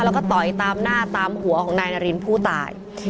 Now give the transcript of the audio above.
แล้วก็ต่อยตามหน้าตามหัวของนายนารินผู้ตาย